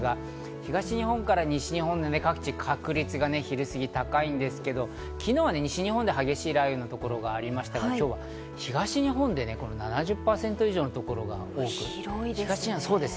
東日本から西日本で各地、昼過ぎ、確率が高いんですけど、昨日は西日本で激しい雷雨の所がありましたが、今日は東日本で７０％以上のところが多くなります。